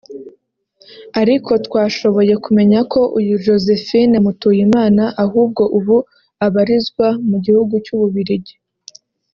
Ariko twashoboye kumenya ko uyu Josephine Mutuyimana ahubwo ubu abarizwa mu gihugu cy’u Bubiligi